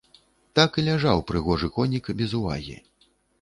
Так і ляжаў прыгожы конік без увагі.